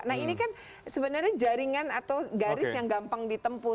nah ini kan sebenarnya jaringan atau garis yang gampang ditempu